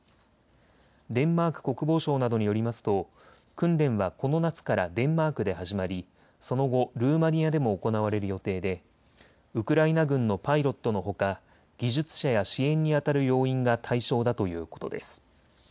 デンマーク国防省などによりますと訓練はこの夏からデンマークで始まり、その後、ルーマニアでも行われる予定でウクライナ軍のパイロットのほか技術者や支援にあたる要員が対象だということです。